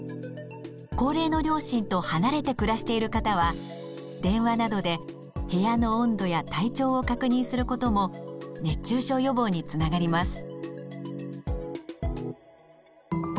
高齢の両親と離れて暮らしている方は電話などで部屋の温度や体調を確認することも熱中症予防につながります。